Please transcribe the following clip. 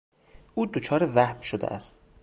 او دچار وهم شده است.